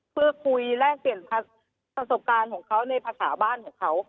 เพื่อคุยแลกเปลี่ยนประสบการณ์ของเขาในภาษาบ้านของเขา